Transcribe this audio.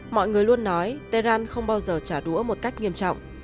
mọi người luôn nói tehran không bao giờ trả đũa một cách nghiêm trọng